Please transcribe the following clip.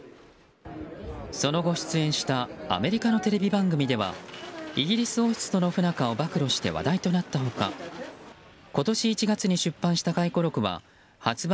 その後、出演したアメリカのテレビ番組ではイギリス王室との不仲を暴露して話題となった他今年１月に出版した回顧録は発売